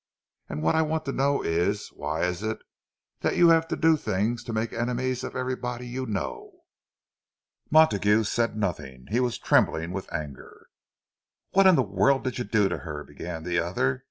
And what I want to know is, why is it that you have to do things to make enemies of everybody you know?" Montague said nothing; he was trembling with anger. "What in the world did you do to her?" began the other.